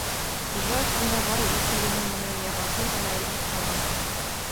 Хужа өҫтөндә бары ике еңе менән яғаһы ғына эленеп ҡалған.